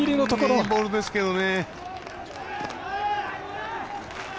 いいボールですけどね。